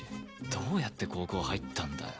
どうやって高校入ったんだよ。